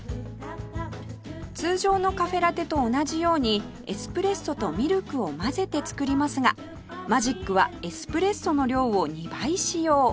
通常のカフェラテと同じようにエスプレッソとミルクを混ぜて作りますがマジックはエスプレッソの量を２倍使用